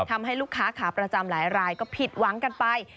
ทำให้ลูกค้าขาประจำหลายรายก็ผิดหวังกันไป